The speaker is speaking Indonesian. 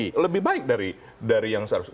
lebih baik dari yang seharusnya